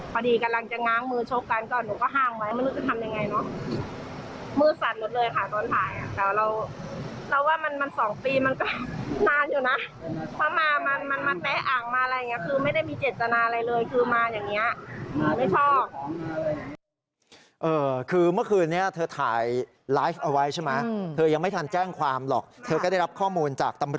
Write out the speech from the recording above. พอดีกำลังจะง้างมือชกกันก็หนูก็ห้างไว้ไม่รู้จะทำยังไงเนอะ